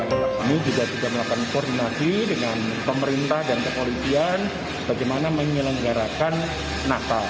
kami juga sudah melakukan koordinasi dengan pemerintah dan kepolisian bagaimana menyelenggarakan natal